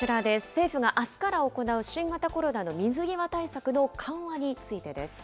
政府があすから行う新型コロナの水際対策の緩和についてです。